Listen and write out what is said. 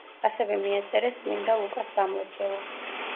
ასევე მიაწერეს წმინდა ლუკას სამლოცველო.